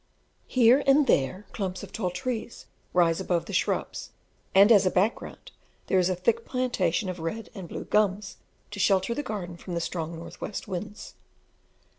Here and there clumps of tall trees rise above the shrubs, and as a background there is a thick plantation of red and blue gums, to shelter the garden from the strong N.W. winds.